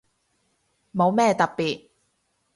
冇咩特別